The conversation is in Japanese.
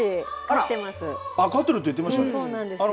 飼ってるって言ってましたね。